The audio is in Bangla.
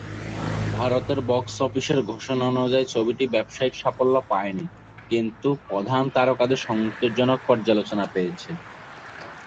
ভারতের বক্স-অফিসের ঘোষণা অনুযায়ী ছবিটি ব্যবসায়িক সাফল্য পায়নি, কিন্তু প্রধান তারকাদের সন্তোষজনক পর্যালোচনা পেয়েছে।